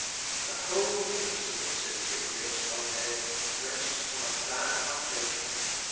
"The whole papacy," said Zuinglius one day, "rests on a bad foundation.